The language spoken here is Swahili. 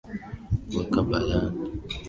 weka bayana virusi viliavyo sababisha ugonjwa huo